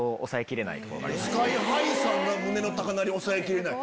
ＳＫＹ−ＨＩさんが胸の高鳴り抑えきれない。